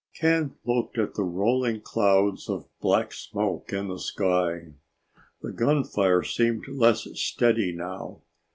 Ken looked at the rolling clouds of black smoke in the sky. The gunfire seemed less steady now.